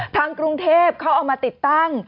ทางกรุงเทพเขาเอามาติดตั้ง